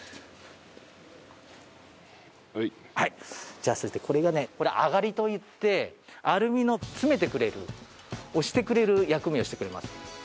じゃあそしてこれがねこれあがりといってアルミの詰めてくれる押してくれる役目をしてくれます。